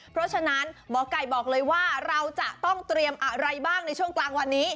เพราะฉะนั้นหมอไก่บอกเลยว่าเราจะต้องเตรียมอะไรบ้างในช่วงกลางวันนี้